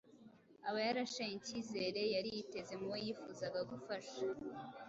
aba yarashenye icyizere yari yiteze mu bo yifuzaga gufasha.